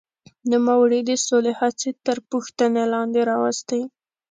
نوموړي د سولې هڅې تر پوښتنې لاندې راوستې.